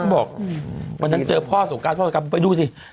เห็นบอกวันนั้นเจอพ่อส่งการพ่อส่งการไปดูสิ